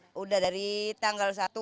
sudah dari tanggal satu